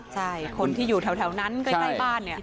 ใช่คนที่อยู่แถวนั้นใกล้บ้านเนี่ย